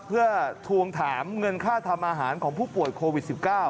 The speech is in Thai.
เพื่อทวงถามเงินค่าทำอาหารของผู้ป่วยโควิด๑๙